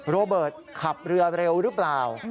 โรเบิร์ตขับเรือเร็วหรือเปล่า